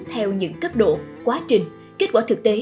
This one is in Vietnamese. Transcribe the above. theo những cấp độ quá trình kết quả thực tế